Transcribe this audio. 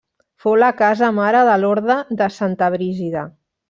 Fou la casa mare de l'Orde de Santa Brígida.